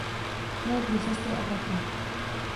Měl dvě sestry a bratra.